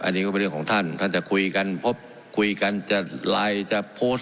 อันนี้ก็เป็นเรื่องของท่านท่านจะคุยกันพบคุยกันจะไลน์จะโพสต์